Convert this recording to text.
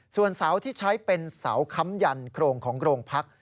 ส่วนเสาที่ใช้เป็นเสาค้ำยันโครงของโรงพัก